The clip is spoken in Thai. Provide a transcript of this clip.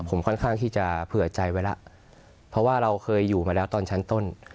ผมค่อนข้างที่จะเผื่อใจไว้แล้วเพราะว่าเราเคยอยู่มาแล้วตอนชั้นต้น